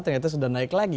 ternyata sudah naik lagi